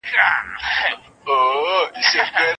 ټیکنالوژي د پوهې په شریکولو کې نړۍ په یو کلي بدله کړه.